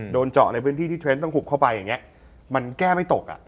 โดนเจาะในพื้นที่ที่เทรนด์ต้องหุบเข้าไปอย่างนี้มันแก้ไม่ตกอ่ะ